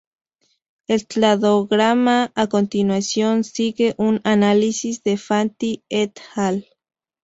El cladograma a continuación sigue un análisis de Fanti "et al.